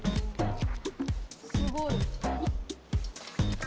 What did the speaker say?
すごい。